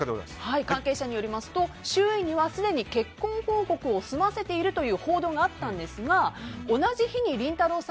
関係者によりますと周囲には、すでに結婚報告を済ませているという報道があったんですが同じ日にりんたろー。